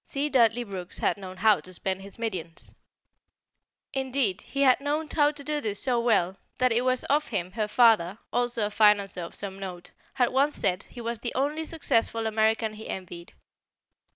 C. Dudley Brooks had known how to spend his millions. Indeed, he had known how to do this so well that it was of him her father, also a financier of some note, had once said he was the only successful American he envied.